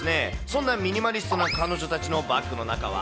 そんなミニマリストな彼女たちのバッグの中は？